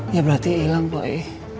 ya berarti ilang poe